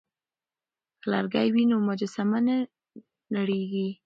که لرګی وي نو مجسمه نه نړیږي.